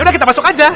yaudah kita masuk aja